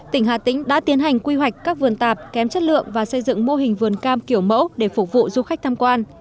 tỉnh hà tĩnh đã tiến hành quy hoạch các vườn tạp kém chất lượng và xây dựng mô hình vườn cam kiểu mẫu để phục vụ du khách tham quan